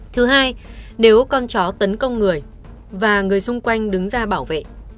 thứ hai nếu con chó tấn công người và người xung quanh đứng ra bảo vệ